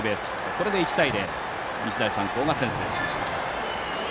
これで１対０と日大三高が先制しました。